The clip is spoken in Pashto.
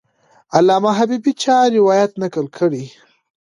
علامه حبیبي چا روایت نقل کړی؟